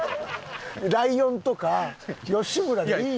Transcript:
ライオンとか吉村でいいやん。